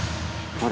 誰？